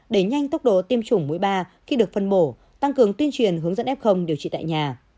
để nhanh tốc độ tiêm chủng mũi ba khi được phân bổ tăng cường tuyên truyền hướng dẫn ép không điều trị tại nhà